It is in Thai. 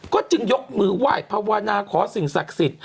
ก็จึงยกมือไหว้ภาวนาขอสิ่งศักดิ์สิทธิ์